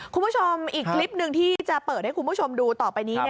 คุณผู้ชมอีกคลิปหนึ่งที่จะเปิดให้คุณผู้ชมดูต่อไปนี้